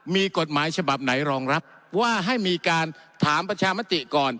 มีกฎหมายฉบับไหนรองรับว่าให้มีการถามประชามติก่อน